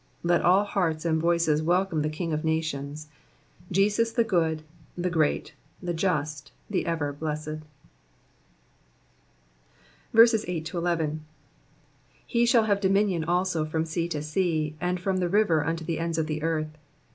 Let all hearts and voices welcome the King of nations ; Jesus the Good, the Great, the Just, the Ever blessed. 8 He shall have dominion also from sea to sea, and from the river unto the ends of the earth.